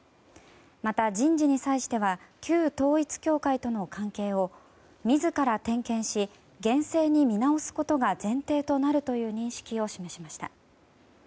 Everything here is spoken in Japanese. また、人事に関しては旧統一教会との関係を自ら点検し厳正に見直すことが前提となるという認識を示しました。